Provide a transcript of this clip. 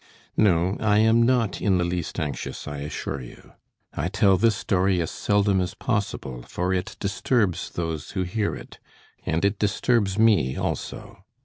"No, I am not in the least anxious, I assure you. I tell this story as seldom as possible, for it disturbs those who hear it, and it disturbs me also.